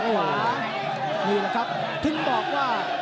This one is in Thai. โหพลีขาดหน้าขว้าง